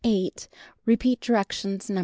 Repeat directions No.